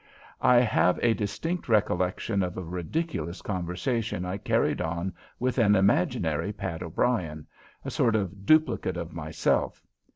I have a distinct recollection of a ridiculous conversation I carried on with an imaginary Pat O'Brien a sort of duplicate of myself.